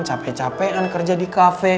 cape capean kerja di kafe